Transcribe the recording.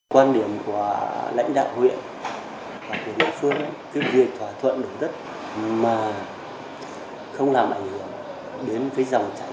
quan điểm của lãnh đạo huyện và của địa phương là việc thỏa thuận đồng tất mà không làm ảnh hưởng đến dòng chạy